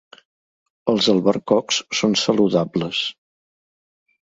Els albercocs són saludables.